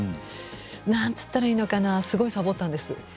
なんていったらいいのかなすごくさぼったんです。